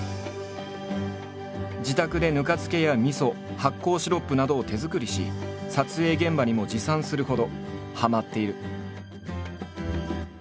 自宅でぬか漬けやみそ発酵シロップなどを手作りし撮影現場にも持参するほどはまっている。